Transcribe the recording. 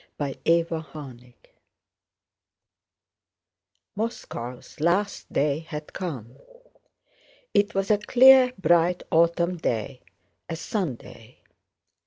CHAPTER XV Moscow's last day had come. It was a clear bright autumn day, a Sunday.